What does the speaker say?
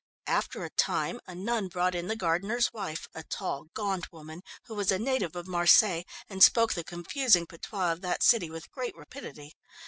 After a time a nun brought in the gardener's wife, a tall, gaunt woman, who was a native of Marseilles, and spoke the confusing patois of that city with great rapidity.